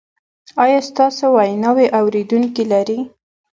ایا ستاسو ویناوې اوریدونکي لري؟